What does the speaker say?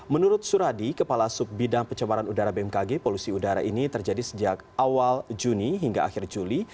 menurut suradi kepala subbidang pencemaran udara bmkg polusi udara ini terjadi sejak awal juni hingga akhir juli